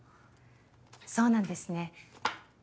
そうなんですね。